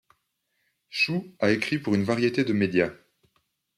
Chou a écrit pour une variété de médias.